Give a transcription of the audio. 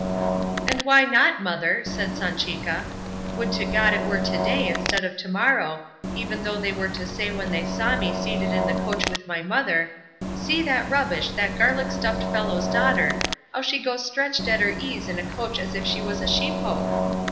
"And why not, mother!" said Sanchica; "would to God it were to day instead of to morrow, even though they were to say when they saw me seated in the coach with my mother, 'See that rubbish, that garlic stuffed fellow's daughter, how she goes stretched at her ease in a coach as if she was a she pope!